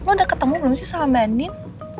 oh iya lu udah ketemu belum sih sama mbak andin